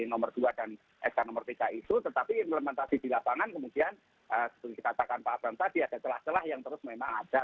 nomor dua dan sk nomor tiga itu tetapi implementasi di lapangan kemudian seperti dikatakan pak abang tadi ada celah celah yang terus memang ada